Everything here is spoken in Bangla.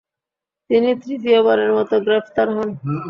তিনি তৃতীয়বারের মত গ্রেফতার হন।